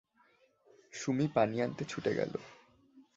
সুমী পানি আনতে ছুটে গেল।